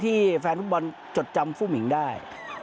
ที่แฟนฟุตบอลจดจำผู้หมิ่งได้